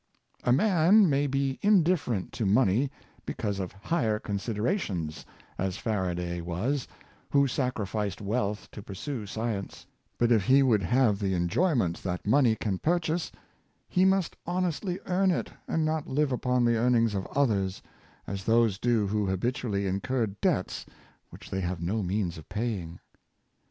A man may be indifferent to money because of higher considerations, as Faraday was, who sacrificed wealth to pursue science; but if he would have the enjoyments that money can purchase, he must honestly earn it, and not live upon the earnings of others, as those do who habitually incur debts which they have no means of paying.